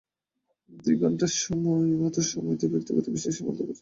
দুই ঘণ্টার মতো সময় দেওয়া হয়েছে ব্যক্তিগত বিষয় সামাল দেওয়ার জন্য।